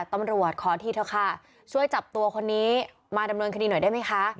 ตำรวจขอทีเถอะค่ะช่วยจับตัวคนนี้มาดำเนินคดีหน่อยได้ไหมคะ